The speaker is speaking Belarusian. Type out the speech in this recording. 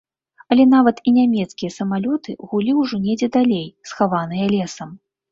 Але нават і нямецкія самалёты гулі ўжо недзе далей, схаваныя лесам.